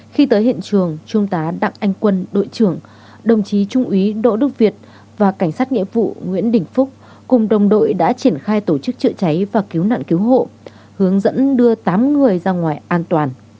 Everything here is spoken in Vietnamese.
khi tới hiện trường trung tá đặng anh quân đội trưởng đồng chí trung úy đỗ đức việt và cảnh sát nghĩa vụ nguyễn đình phúc cùng đồng đội đã triển khai tổ chức chữa cháy và cứu nạn cứu hộ hướng dẫn đưa tám người ra ngoài an toàn